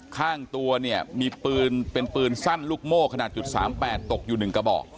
ข้างตัวเนี่ยมีปืนเป็นปืนสั้นลูกโม่ขนาด๓๘ตกอยู่๑กระบอก